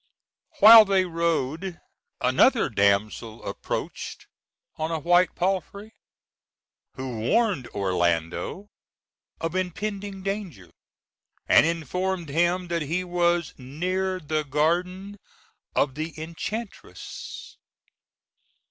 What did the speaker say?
While they rode another damsel approached on a white palfrey, who warned Orlando of impending danger, and informed him that he was near the garden of the enchantress.